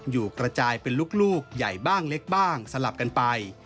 อยู่กระจายเป็นลูกใหญ่บ้างเล็กบ้างสลับกันไป